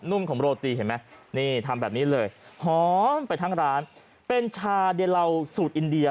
ุ่มของโรตีเห็นไหมนี่ทำแบบนี้เลยหอมไปทั้งร้านเป็นชาเดเหลาสูตรอินเดีย